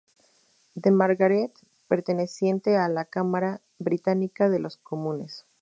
De Margaret Perteneciente a la Cámara Británica de los Comunes.